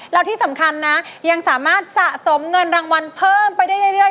แล้วที่สำคัญนะยังสามารถสะสมเงินรางวัลเพิ่มไปได้เรื่อย